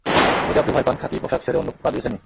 যদি আপনি ভয় পান, খাকি পোশাক ছেড়ে অন্য কাজ বেছে নিন।